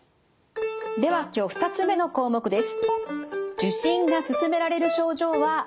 では今日２つ目の項目です。